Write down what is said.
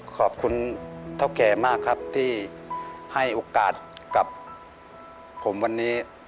ขอบคุณเท่าแก่มากครับที่ให้โอกาสกับผมวันนี้